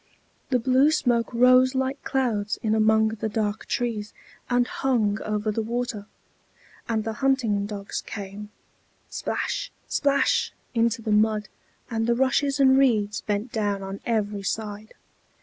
The blue smoke rose like clouds in among the dark trees, and hung over the water; and the hunting dogs came splash, splash! into the mud, and the rushes and reeds bent down on every side.